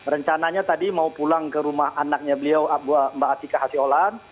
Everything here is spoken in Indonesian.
rencananya tadi mau pulang ke rumah anaknya beliau mbak atika hasiolan